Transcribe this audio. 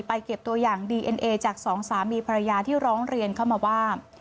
เก็บตัวอย่างดีเอ็นเอจากสองสามีภรรยาที่ร้องเรียนเข้ามาว่า